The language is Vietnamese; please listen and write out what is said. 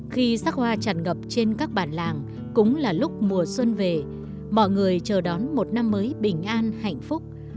khi sắc hoa chặt ngập trên các bản làng cũng là lúc mùa xuân về mọi người chờ đón một năm mới bình an hạnh phúc